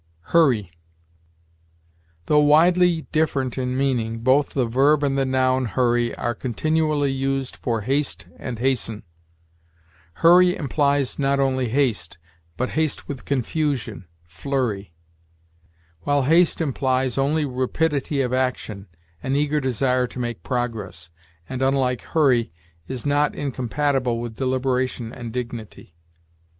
HURRY. Though widely different in meaning, both the verb and the noun hurry are continually used for haste and hasten. Hurry implies not only haste, but haste with confusion, flurry; while haste implies only rapidity of action, an eager desire to make progress, and, unlike hurry, is not incompatible with deliberation and dignity.